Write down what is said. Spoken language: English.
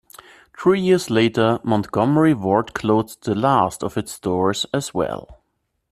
Three years later, Montgomery Ward closed the last of its stores as well.